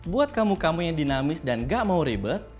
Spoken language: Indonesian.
buat kamu kamu yang dinamis dan gak mau ribet